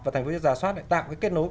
và tp hcm giả soát để tạo kết nối